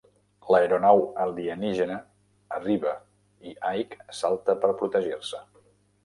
L'aeronau alienígena arriba i Ike salta per protegir-se.